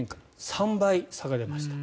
３倍、差が出ました。